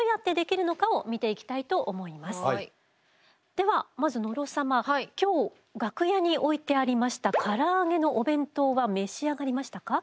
ではまず野呂様今日楽屋に置いてありましたからあげのお弁当は召し上がりましたか？